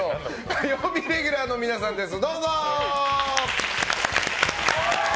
火曜日レギュラーの皆さんです。